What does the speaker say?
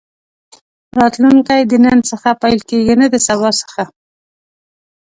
راتلونکی د نن څخه پيل کېږي نه د سبا څخه.